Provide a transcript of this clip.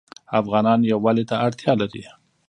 افغانان یووالي ته اړتیا لري.